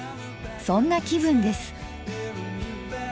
そんな気分です。